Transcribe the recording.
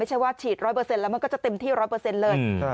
ใช้ว่าฉีด๑๐๐แล้วมันก็จะเต็มที่๑๐๐เลย